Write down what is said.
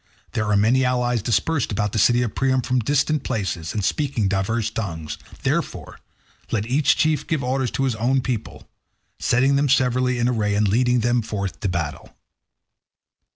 There are many allies dispersed about the city of Priam from distant places and speaking divers tongues. Therefore, let each chief give orders to his own people, setting them severally in array and leading them forth to battle."